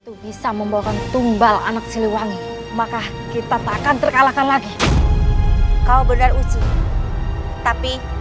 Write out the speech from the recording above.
itu bisa membawa tumbal anak siliwangi maka kita takkan terkalahkan lagi kau benar uji tapi